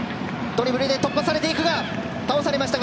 ドリブルで突破されていった。